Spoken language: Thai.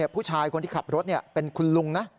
ผู้ชายคนที่ขับรถเป็นคุณลุงนะ